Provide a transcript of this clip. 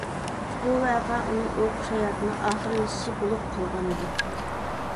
بۇ ۋەقە ئۇنىڭ ئوقۇش ھاياتىنىڭ ئاخىرلىشىشى بولۇپ قالغان ئىدى.